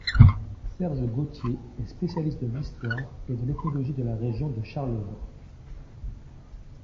Serge Gauthier est spécialiste de l'histoire et de l'ethnologie de la région de Charlevoix.